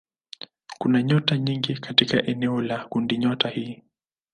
Kuna nyota nyingi katika eneo la kundinyota hii.